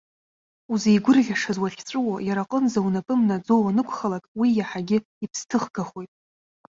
Узеигәырӷьашаз уахьҵәуо, иара аҟынӡа унапы мнаӡо уанықәхалак, уи иаҳагьы иԥсҭыхгахоит.